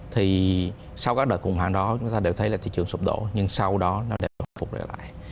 thì sau các đợt khủng hoảng đó chúng ta đều thấy là thị trường sụp đổ nhưng sau đó nó đều phục trở lại